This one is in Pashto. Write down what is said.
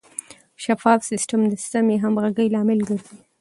شفاف سیستم د سمې همغږۍ لامل ګرځي.